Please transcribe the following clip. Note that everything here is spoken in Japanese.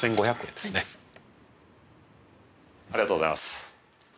ありがとうございます。